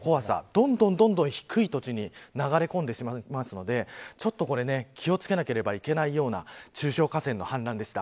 どんどん低い土地に流れ込んでしまいますのでこれは気を付けなければいけないような中小河川の氾濫でした。